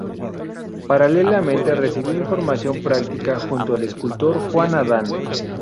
Paralelamente, recibió formación práctica junto al escultor Juan Adán.